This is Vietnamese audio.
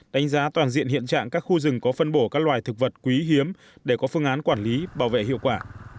đánh giá toàn diện hiện trạng các khu rừng có phân bổ các loài thực vật quý hiếm để có phương án quản lý bảo vệ hiệu quả